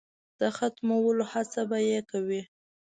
د ختمولو هڅه به یې کوي.